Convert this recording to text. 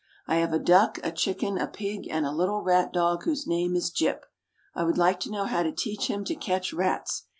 I have a duck, a chicken, a pig, and a little rat dog whose name is Jip. I would like to know how to teach him to catch rats.